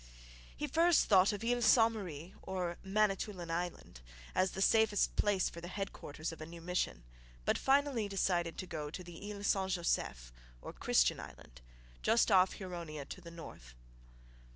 He first thought of Isle Ste Marie (Manitoulin Island) as the safest place for the headquarters of a new mission, but finally decided to go to Isle St Joseph (Christian Island), just off Huronia to the north.